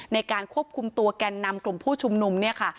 ในการควบคุมตัวแก่นนำกลุ่มผู้ชุมนุมเนี่ยค่ะ